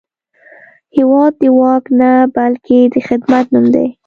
هېواد د واک نه، بلکې د خدمت نوم دی.